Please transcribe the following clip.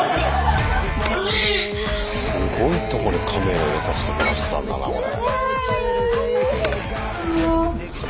すごいところカメラ入れさしてもらったんだなこれ。